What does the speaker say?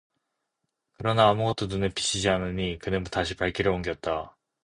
그러나 아무것도 눈에 비치지 않으니 그는 다시 발길을 옮겼다.